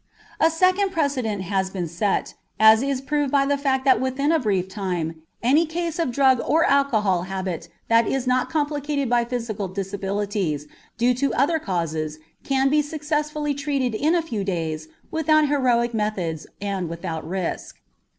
A second precedent has been set, as is proved by the fact that within a brief time any case of drug or alcoholic habit that is not complicated by physical disabilities due to other causes can be successfully treated in a few days without heroic methods and without risk.